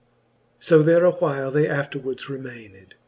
So there a while they afterwards remained.